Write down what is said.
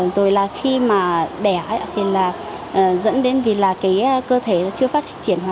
rồi khi đẻ thì dẫn đến vì cơ thể chưa phát triển